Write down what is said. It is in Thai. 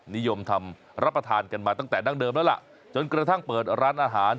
นิยมทำรับประทานกันมาตั้งแต่ดั้งเดิมแล้วล่ะจนกระทั่งเปิดร้านอาหาร